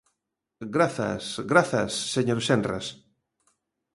Grazas, grazas, señor Senras.